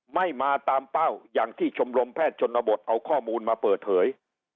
ไม่มาตามเป้าอย่างที่ชมรมแพทย์ชนบทเอาข้อมูลมาเปิดเผย